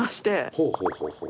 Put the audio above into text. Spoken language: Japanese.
ほうほうほうほう。